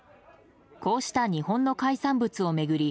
こうした日本の海産物を巡り